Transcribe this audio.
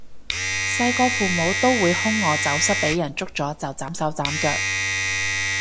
細個父母都會兇我走失畀人捉咗就斬手斬腳